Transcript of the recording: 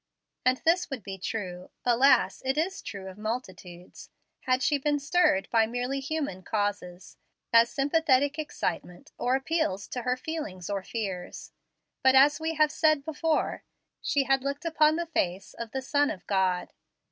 And this would be true alas, it is true of multitudes had she been stirred by merely human causes, as sympathetic excitement, or appeals to her feelings or fears. But, as we have said before, she had looked upon the face of the Son of God.